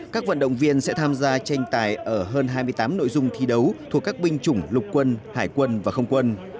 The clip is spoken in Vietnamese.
các vận động viên sẽ tham gia tranh tài ở hơn hai mươi tám nội dung thi đấu thuộc các binh chủng lục quân hải quân và không quân